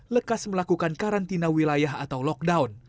lekas melakukan karantina wilayah atau lockdown